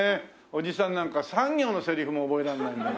おじさんなんか３行のセリフも覚えられないのに。